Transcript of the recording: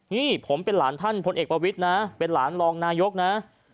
นี่ผมเป็นหลานท่านพลเอกประวิทย์นะเป็นหลานรองนายกนะ